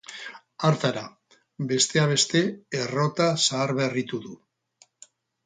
Hartara, bestea beste, errota zaharberritu du.